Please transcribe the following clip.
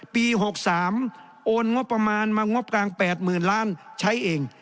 ปี๖๓โอนงบประมาณมางบกลาง๘๐๐๐ล้านใช้เอง